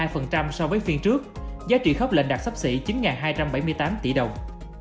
phần trăm so với phiên trước giá trị khắp lệnh đạt sắp xỉ chín hai trăm bảy mươi tám tỷ đồng